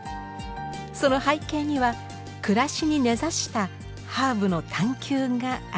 その背景には暮らしに根ざしたハーブの探求がありました。